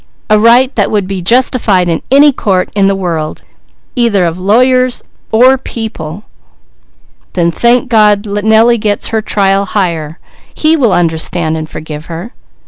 "A right that would be justified in any court in the world, either of lawyers or people." "Then thank God, Nellie gets her trial higher. He will understand, and forgive her."